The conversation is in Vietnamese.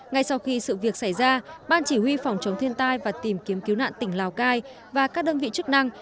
ngay sau khi sự việc xảy ra ban chỉ huy phòng chống thiên tai và tìm kiếm cứu nạn tỉnh lào cai và các đơn vị chức năng